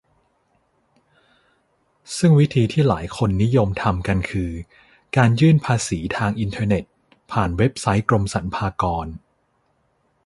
ซึ่งวิธีที่หลายคนนิยมทำกันคือ การยื่นภาษีทางอินเทอร์เน็ตผ่านเว็บไซต์กรมสรรพากร